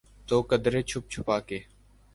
تو قدرے چھپ چھپا کے۔